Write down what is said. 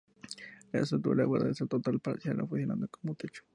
La estructura puede ser total, parcial, o funcionando como techo.